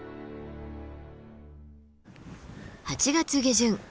８月下旬。